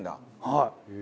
はい。